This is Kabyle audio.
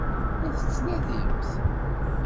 La t-tettnadimt?